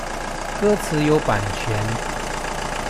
歌詞有版權